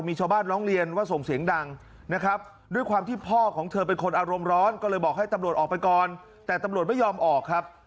ม้องหมดทุกคนนะครับ